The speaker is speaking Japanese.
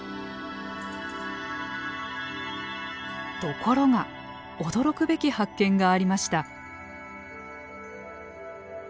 ところが驚くべき発見がありました。